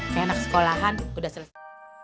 kayak anak sekolahan udah selesai